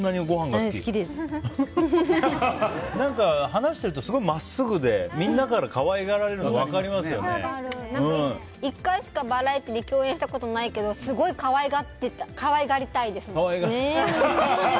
話してるとすごい真っすぐでみんなから可愛がられるのが１回しかバラエティーで共演したことないけどすごい可愛がりたいです。